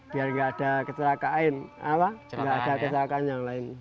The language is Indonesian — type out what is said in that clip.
biar nggak ada keterakaan yang lain